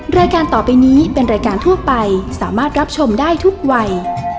รายการต่อไปนี้เป็นรายการทั่วไปสามารถรับชมได้ทุกวัย